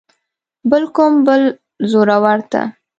بل کوم بل زورور ته.